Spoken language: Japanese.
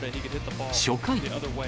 初回。